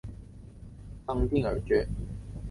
康定耳蕨为鳞毛蕨科耳蕨属下的一个种。